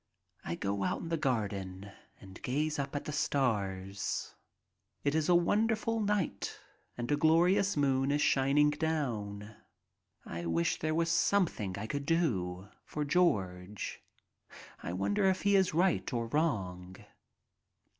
I go out in the garden and gaze up at the stars. It is a wonderful night and a glorious moon is OFF TO EUROPE 17 shining down. I wish there was something I could do for George. I wonder if he is right or wrong.